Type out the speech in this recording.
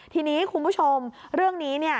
ทีนี้คุณผู้ชมเรื่องนี้เนี่ย